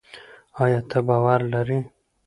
ایا ته باور لري؟